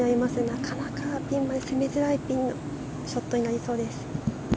なかなかピンまで攻めづらいショットになりそうです。